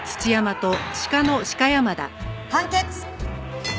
判決。